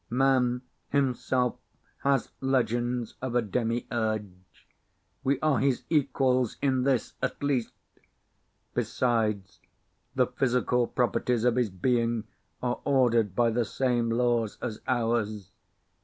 Man himself has legends of a Demi urge. We are his equals in this at least. Besides, the physical properties of his being are ordered by the same laws as ours.